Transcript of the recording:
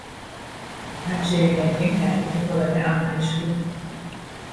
بچهی یتیم تحت کفالت عمویش بود.